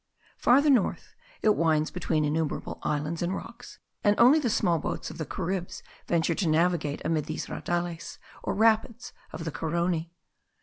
Farther north it winds between innumerable islands and rocks; and only the small boats of the Caribs venture to navigate amid these raudales, or rapids of the Carony.